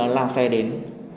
la xe đến